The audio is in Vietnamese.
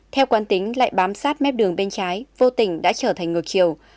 theo quán tính lại bám sát mép đường bên trái vô tình đã trở thành ngược chiều